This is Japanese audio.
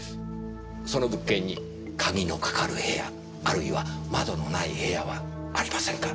その物件に鍵のかかる部屋あるいは窓のない部屋はありませんか？